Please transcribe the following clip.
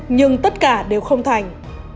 nhưng tất cả đều không thành